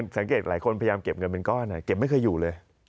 หลายคนพยายามเก็บเงินเป็นก้อนเก็บไม่เคยอยู่เลย